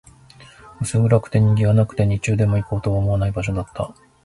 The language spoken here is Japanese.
薄暗くて、人気がなくて、日中でも行こうとは思わない場所だった